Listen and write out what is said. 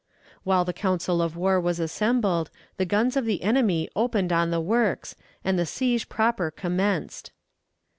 While the council of war was assembled, the guns of the enemy opened on the works, and the siege proper commenced.